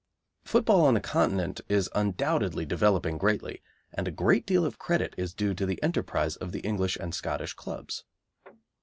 Football on the Continent is undoubtedly developing greatly, and a great deal of credit is due to the enterprise of the English and Scottish clubs.